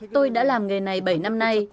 tôi đã làm nghề này bảy năm nay